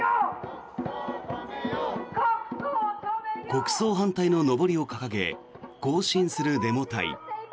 国葬反対ののぼりを掲げ行進するデモ隊。